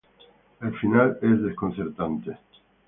El final es desconcertante.